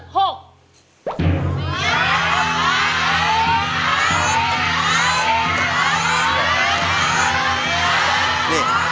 เพลงที่สี่